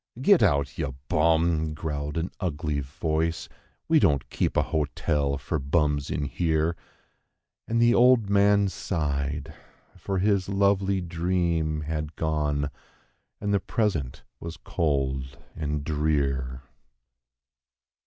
"Get out, ye bum!" growled an ugly voice: "we don't keep a hotel fer bums in here." And the old man sighed, for his lovely dream had gone, and the present was cold and drear.